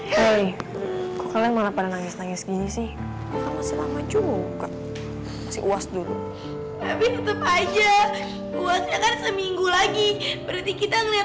hai kok kalian nangis nangis gini sih juga masih uas dulu aja seminggu lagi berarti kita ngeliat